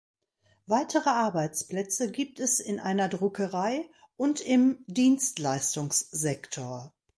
Weitere Arbeitsplätze gibt es in einer Druckerei und im Dienstleistungssektor.